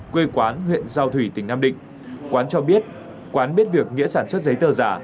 quê quán huyện giao thủy tỉnh nam định quán cho biết quán biết việc nghĩa sản xuất giấy tờ giả